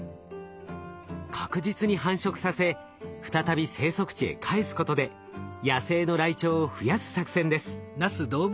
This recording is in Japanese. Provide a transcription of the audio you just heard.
確実に繁殖させ再び生息地へ返すことで野生のライチョウを増やす作戦です。